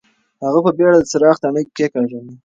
هغه په بېړه د څراغ تڼۍ کېکاږله.